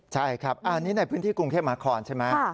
ใช่ครับอันนี้ในพื้นที่กรุงเทพมหาคอนใช่ไหม